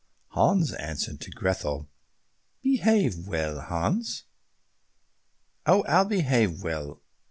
Hans answered, "To Grethel." "Behave well, Hans." "Oh, I'll behave well.